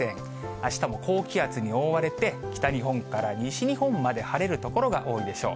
あしたも高気圧に覆われて、北日本から西日本まで晴れる所が多いでしょう。